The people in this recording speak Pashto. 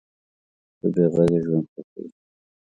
پسه بېغږه ژوند خوښوي.